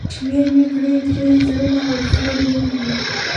شمېر مې کړې، درې زره او څو لېرې وې.